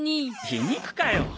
皮肉かよ！